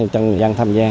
cho người dân tham gia